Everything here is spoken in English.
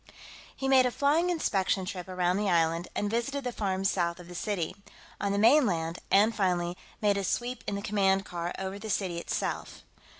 He made a flying inspection trip around the island, and visited the farms south of the city, on the mainland, and, finally, made a sweep in the command car over the city itself.